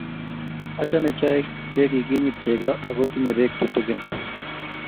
achame chaik che kikinyit chego aku tinye beek tutegen